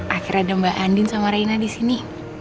akhirnya ada mbak andin sama reina disini